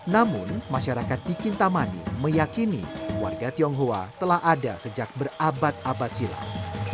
namun masyarakat di kintamani meyakini warga tionghoa telah ada sejak berabad abad silam